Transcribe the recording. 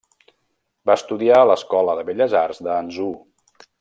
Va estudiar a l'Escola de Belles Arts de Hangzhou.